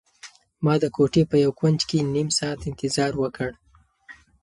ما د کوټې په یو کنج کې نيم ساعت انتظار وکړ.